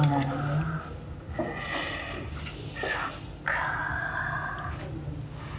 そっか。